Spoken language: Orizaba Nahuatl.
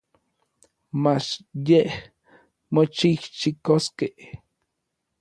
Mach yej moxijxikoskej.